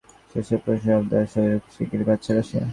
সেসব প্রশ্নের জবাব দেওয়ার সুযোগ খুব শিগগিরই পাচ্ছে রাশিয়া।